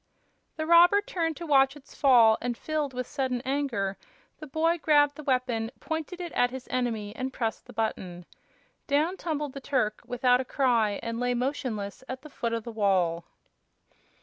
The robber turned to watch its fall and, filled with sudden anger, the boy grabbed the weapon, pointed it at his enemy, and pressed the button. Down tumbled the Turk, without a cry, and lay motionless at the foot of the wall.